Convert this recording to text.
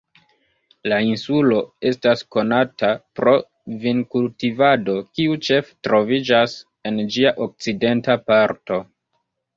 La insulo estas konata pro vinkultivado, kiu ĉefe troviĝas en ĝia okcidenta parto.